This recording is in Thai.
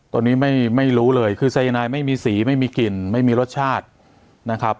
ตัวนี้ไม่รู้เลยคือสายนายไม่มีสีไม่มีกลิ่นไม่มีรสชาตินะครับ